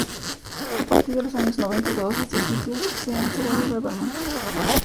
A partir de los años noventa, todos esos sitios se han cerrado gradualmente.